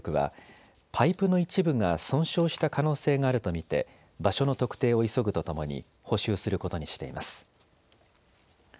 東京電力はパイプの一部が損傷した可能性があると見て場所の特定を急ぐとともに補修することにしています。